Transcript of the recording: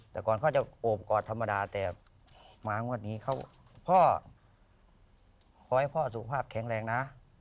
แต่ก่อนเขาจะโอบกอดธรรมดาแต่มางวดนี้เขาพ่อขอให้พ่อสุขภาพแข็งแรงนะ